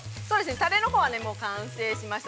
◆タレのほうは完成しました。